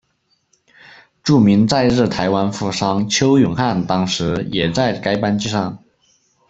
著名在日台湾富商邱永汉当时也在该班机上。